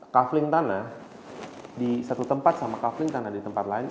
kaveling tanah di satu tempat sama kaveling tanah di tempat lain